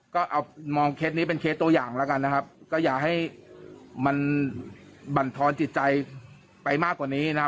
ก็เอามองเคสนี้เป็นเคสตัวอย่างแล้วกันนะครับก็อย่าให้มันบรรทอนจิตใจไปมากกว่านี้นะครับ